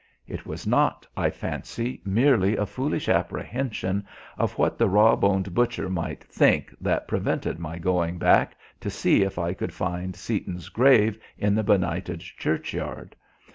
It was not, I fancy, merely a foolish apprehension of what the raw boned butcher might "think" that prevented my going back to see if I could find Seaton's grave in the benighted churchyard.